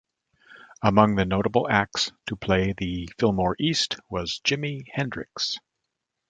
Among the notable acts to play the Fillmore East was Jimi Hendrix.